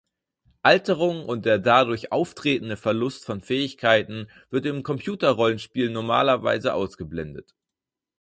Alterung und der dadurch auftretende Verlust von Fähigkeiten wird im Computerrollenspiel normalerweise ausgeblendet.